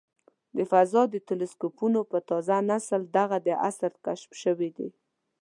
د فضا د ټیلسکوپونو په تازه نسل دغه د عصر کشف شوی دی.